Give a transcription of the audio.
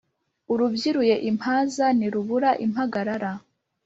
Urubyiruye iimpaza ntirubura impagarara.